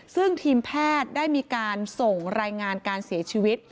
ซึ่งทีมแพทย์ได้มีการส่งรายงานการเสียชีวิต